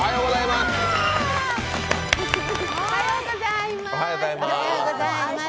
おはようございます。